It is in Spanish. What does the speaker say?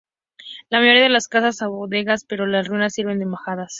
La mayoría de las casas abovedadas, pero en ruinas, sirven de majadas.